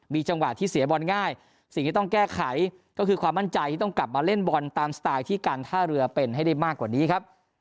จังหวะที่เสียบอลง่ายสิ่งที่ต้องแก้ไขก็คือความมั่นใจที่ต้องกลับมาเล่นบอลตามสไตล์ที่การท่าเรือเป็นให้ได้มากกว่านี้ครับ